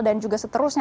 dan juga seterusnya